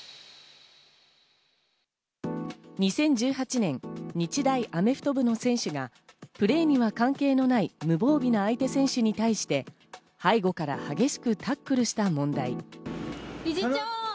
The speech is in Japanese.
２０１８年、日大アメフト部の選手がプレーには関係のない無防備な相手選手に対して、背後から激しくタックルした問題。